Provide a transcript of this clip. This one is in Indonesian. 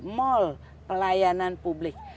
mall pelayanan publik